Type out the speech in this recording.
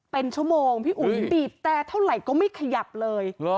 เป็นชั่วโมงพี่อุ๋ยบีบแต่เท่าไหร่ก็ไม่ขยับเลย